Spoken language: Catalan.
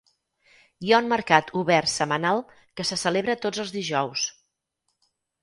Hi ha un mercat obert setmanal que se celebra tots els dijous.